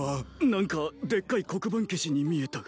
何かでっかい黒板消しに見えたが。